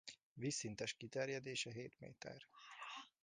Vízszintes kiterjedése hét méter.